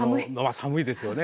寒いですよね。